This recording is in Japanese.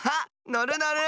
のるのる！